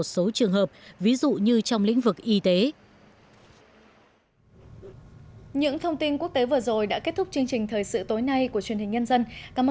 quyền phạm lỗi không được áp dụng trong một số trường hợp ví dụ như trong lĩnh vực y tế